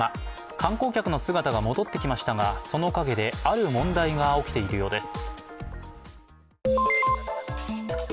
観光客の姿が戻ってきましたがその陰である問題が起きているようです。